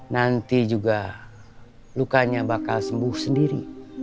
nanti juga lukanya bakal sembuh sendiri